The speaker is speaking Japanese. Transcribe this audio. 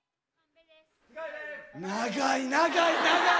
長い長い長い。